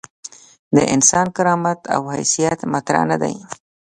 د انسان کرامت او حیثیت مطرح نه دي.